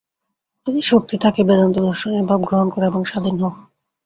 যদি শক্তি থাকে, বেদান্তদর্শনের ভাব গ্রহণ কর এবং স্বাধীন হও।